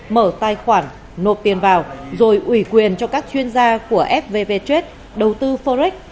mở tài khoản nộp tiền vào rồi ủy quyền cho các chuyên gia của fvp trade đầu tư forex